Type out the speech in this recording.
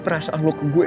perasaan lo ke gue